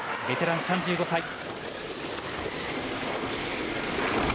ベテラン、３５歳。